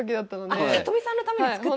あ里見さんのために作ってくれた。